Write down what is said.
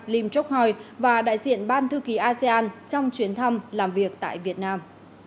lim trúc hòi và đại diện ban thư ký asean trong chuyến thăm làm việc tại việt nam